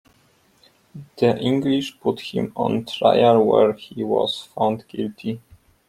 The English put him on trial where he was found guilty.